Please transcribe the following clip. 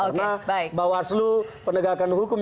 karena mbak waslu penegakan hukum